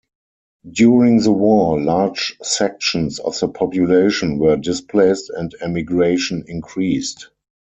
During the war, large sections of the population were displaced and emigration increased.